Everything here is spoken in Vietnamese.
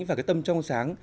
và cái tâm trong sáng